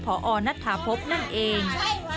พอนัทธาพบนั่นเอง